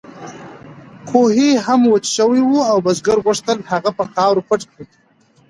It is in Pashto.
کوهی هم وچ شوی و او بزګر غوښتل هغه په خاورو پټ کړي.